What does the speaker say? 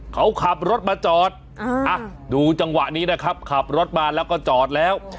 เขาขับรถมาจอดดูจังหวะนี้นะครับขับรถมาแล้วก็จอดแล้ว